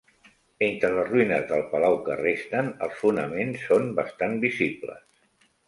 Entre les ruïnes del palau que resten, els fonaments són bastant visibles.